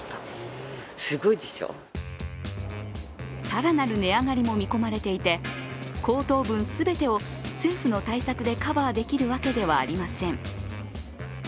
更なる値上がりも見込まれていて、高騰分全てを政府の対策でカバーできるわけではありません。